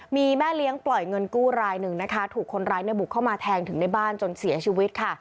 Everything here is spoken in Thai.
มีแม่เลี้ยงปล่อยเงินกู้รายหนึ่งนะคะถูกคนร้ายเนี่ยบุกเข้ามาแทงถึงในบ้านจนเสียชีวิตค่ะ